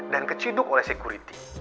dan keciduk oleh security